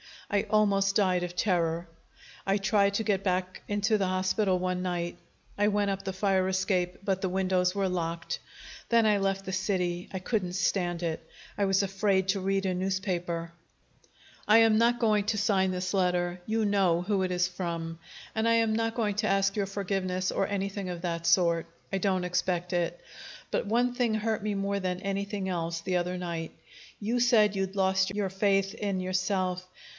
I almost died of terror. "I tried to get back into the hospital one night. I went up the fire escape, but the windows were locked. Then I left the city. I couldn't stand it. I was afraid to read a newspaper. "I am not going to sign this letter. You know who it is from. And I am not going to ask your forgiveness, or anything of that sort. I don't expect it. But one thing hurt me more than anything else, the other night. You said you'd lost your faith in yourself.